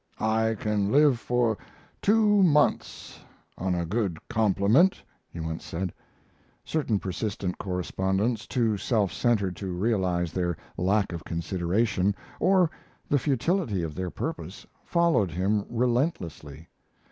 "I can live for two months on a good compliment," he once said. Certain persistent correspondents, too self centered to realize their lack of consideration, or the futility of their purpose, followed him relentlessly.